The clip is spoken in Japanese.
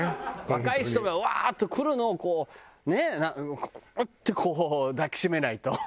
若い人がワーッとくるのをこうねグーッてこう抱き締めないと。